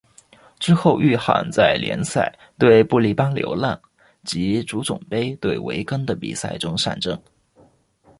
之后域汉在联赛对布力般流浪及足总杯对韦根的比赛中上阵。